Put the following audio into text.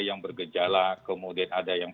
yang bergejala kemudian ada yang